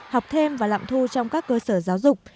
học thêm và lạm thu trong các cơ sở giáo dục